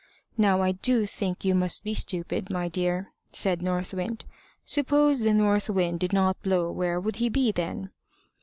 "Now, I do think you must be stupid, my dear" said North Wind. "Suppose the north wind did not blow where would he be then?"